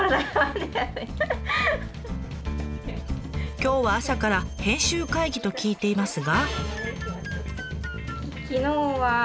今日は朝から編集会議と聞いていますが。